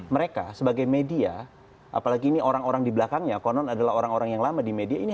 mereka sebagai media apalagi ini orang orang di belakangnya konon adalah orang orang yang lama di media ini